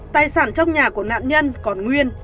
tài sản trong nhà của nạn nhân còn nguyên